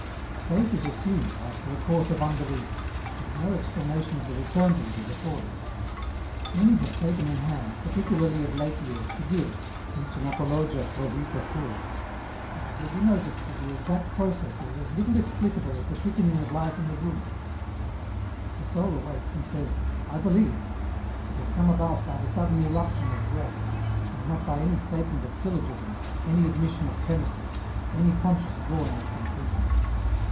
Faith is assumed, after a course of unbelief, and no ex planation of the return to it is afforded. Many have taken in hand, particularly of late years, to give, each an Apologia pro Vita Sua, but it wiU be noticed that the exact process is as little explicable as the quickening of hfe in the womb. The soul awakes and says, " I beUeve," it has come about by the sudden irruption of Grace, and not by any statement of syllogisms, any admission of premisses, any conscious drawing of conclusions.